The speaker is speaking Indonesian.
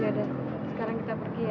sekarang kita pergi ya